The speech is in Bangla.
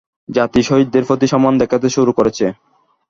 জাতি শহীদদের প্রতি সম্মান দেখাতে শুরু করেছে।